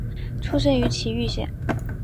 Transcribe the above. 出身于崎玉县。